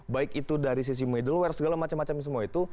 baik itu dari sisi middleware segala macam macam semua itu